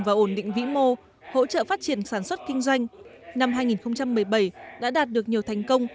và ổn định vĩ mô hỗ trợ phát triển sản xuất kinh doanh năm hai nghìn một mươi bảy đã đạt được nhiều thành công